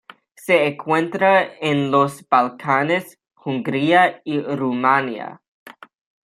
Se encuentra en los Balcanes, Hungría y Rumania.